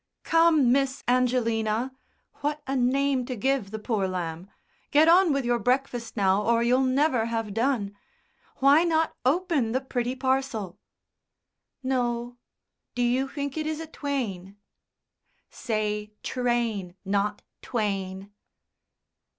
"Come, Miss Angelina what a name to give the poor lamb! get on with your breakfast now, or you'll never have done. Why not open the pretty parcel?" "No. Do you think it is a twain?" "Say train not twain."